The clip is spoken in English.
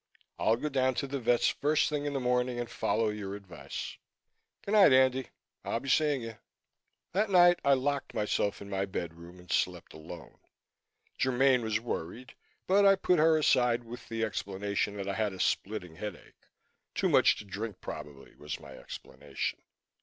I'll go down to the vet's first thing in the morning and follow your advice. Good night, Andy. I'll be seeing you." That night I locked myself in my bedroom and slept alone. Germaine was worried but I put her aside with the explanation that I had a splitting headache too much to drink, probably, was my explanation.